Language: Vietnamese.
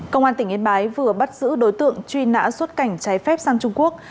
công an tỉnh yên bái vừa bắt giữ đối tượng truy nã xuất cảnh trái phép sang trung quốc